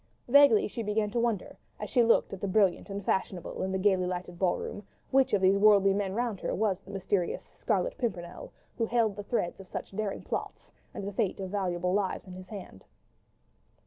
Vaguely she began to wonder, as she looked at the brilliant and fashionable crowd in the gaily lighted ball room, which of these worldly men round her was the mysterious "Scarlet Pimpernel," who held the threads of such daring plots, and the fate of valuable lives in his hands.